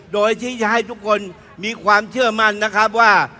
โดยที่จะให้ทุกคนมีความเชื่อมั่นนะครับว่า